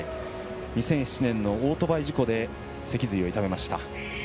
２００７年、オートバイ事故で脊髄を痛めました。